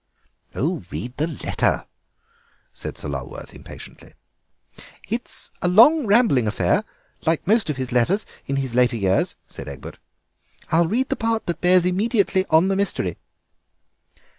"Oh, read the letter," said Sir Lulworth impatiently. "It's a long rambling affair, like most of his letters in his later years," said Egbert. "I'll read the part that bears immediately on the mystery.